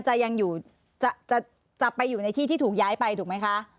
จะยังจับไปอยู่ในที่ที่ถูกย้ายไปถูกไหมคะ